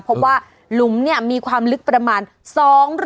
เพราะว่าหลุมเนี่ยมีความลึกประมาณ๒๐๐เมตร